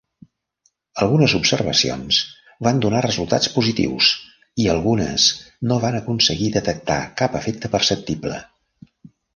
Algunes observacions van donar resultats positius i algunes no van aconseguir detectar cap efecte perceptible.